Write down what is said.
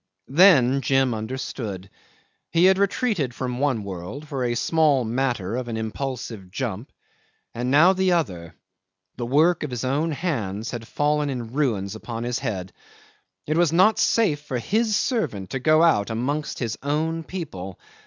'Then Jim understood. He had retreated from one world, for a small matter of an impulsive jump, and now the other, the work of his own hands, had fallen in ruins upon his head. It was not safe for his servant to go out amongst his own people!